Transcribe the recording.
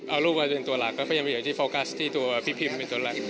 เอารูปมาเป็นตัวหลักก็ยังไปอยู่ที่โฟกัสที่ตัวพี่พิมเป็นตัวหลัก